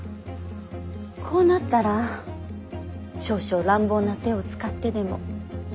こうなったら少々乱暴な手を使ってでも。